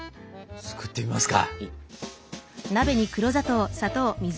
作ってみますか！